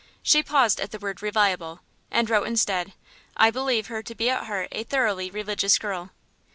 She paused at the word "reliable," and wrote instead, "I believe her to be at heart a thoroughly religious girl."